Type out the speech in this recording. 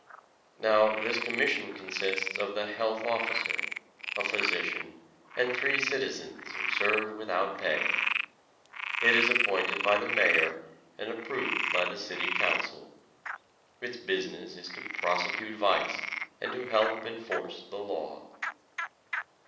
Now this commission consists of the Health Officer, a physician and three citizens who serve without pay. It is appointed by the Mayor and approved by the City Council. Its business is to prosecute vice and to help enforce the law.